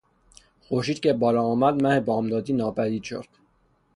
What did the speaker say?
خورشید که بالا آمد مه بامدادی ناپدید شد.